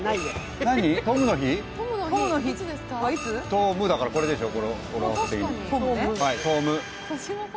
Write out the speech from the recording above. トムだからこれでしょう。